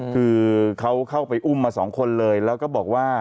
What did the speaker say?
คือเขาเข้าไปอุ้มมาสองคนเลยแล้วก็บอกว่า